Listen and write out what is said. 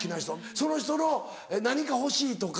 その人の何か欲しいとか。